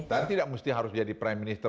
tadi tidak mesti harus jadi prime minister